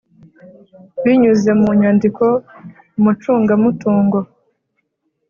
Binyuze mu nyandiko umucungamutungo